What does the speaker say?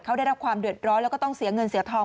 เขาได้รับความเดือดร้อนแล้วก็ต้องเสียเงินเสียทอง